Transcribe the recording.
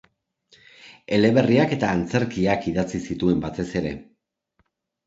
Eleberriak eta antzerkiak idatzi zituen batez ere.